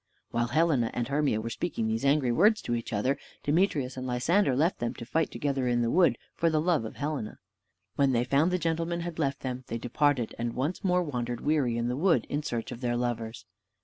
While Helena and Hermia were speaking these angry words to each other, Demetrius and Lysander left them, to fight together in the wood for the love of Helena. When they found the gentlemen had left them, they departed, and once more wandered weary in the wood in search of their lovers.